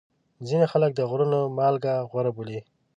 ځینې خلک د غرونو مالګه غوره بولي.